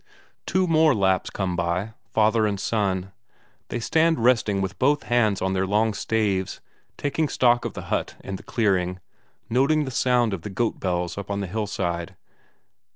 Two more Lapps come by, father and son. They stand resting with both hands on their long staves, taking stock of the hut and the clearing, noting the sound of the goat bells up on the hillside.